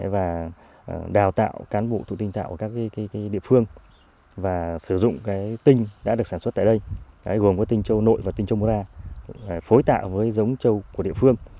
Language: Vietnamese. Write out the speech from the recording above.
và đào tạo cán bộ thủ tinh tạo của các địa phương và sử dụng cái tinh đã được sản xuất tại đây gồm cái tinh châu nội và tinh châu murad phối tạo với giống châu của địa phương